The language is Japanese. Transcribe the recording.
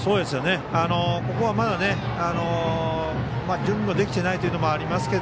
ここはまだ準備もできていないというのもありますし